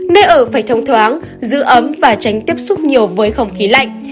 nơi ở phải thông thoáng giữ ấm và tránh tiếp xúc nhiều với không khí lạnh